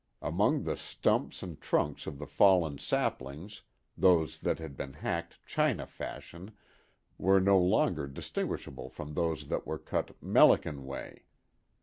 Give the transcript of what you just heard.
Among the stumps and trunks of the fallen saplings, those that had been hacked "China fashion" were no longer distinguishable from those that were cut "'Melican way."